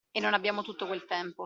E non abbiamo tutto quel tempo.